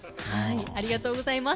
ありがとうございます。